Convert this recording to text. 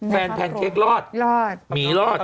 แพนเค้กรอดรอดหมีรอด